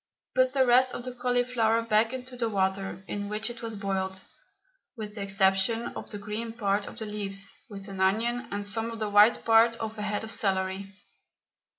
Put the rest of the cauliflower back into the water in which it was boiled, with the exception of the green part of the leaves, with an onion and some of the white part of a head of celery.